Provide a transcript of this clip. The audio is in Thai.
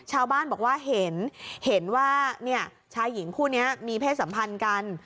ชาวบ้านบอกว่าเห็นเห็นว่าชายหญิงคู่นี้มีเพศสัมพันธ์กัน